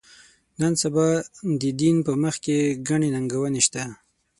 نن سبا د دین په مخ کې ګڼې ننګونې شته.